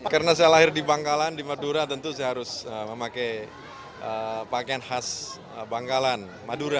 karena saya lahir di bangkalan di madura tentu saya harus memakai pakaian khas bangkalan madura